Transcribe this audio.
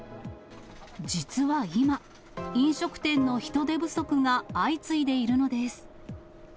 実は今、飲食店の人手不足が相次いでいるのです。